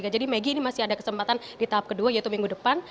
jadi maggie ini masih ada kesempatan di tahap kedua yaitu minggu depan